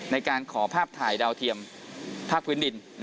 ในการขอภาพถ่ายดาวเทียมภาคพื้นดิน